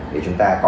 để chúng ta có